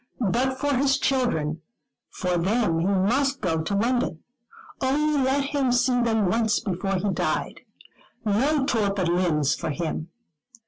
But for his children, for them he must go to London. Only let him see them once before he died. No torpid limbs for him.